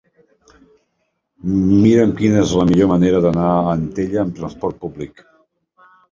Mira'm quina és la millor manera d'anar a Antella amb transport públic.